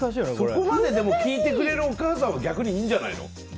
そこまで聞いてくれるお母さんは逆にいいんじゃないの。